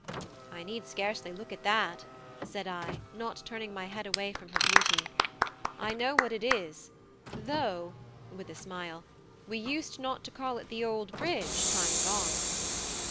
"I need scarcely look at that," said I, not turning my head away from her beauty. "I know what it is; though" (with a smile) "we used not to call it the Old Bridge time agone."